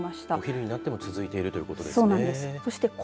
お昼になっても続いてるということなんですね。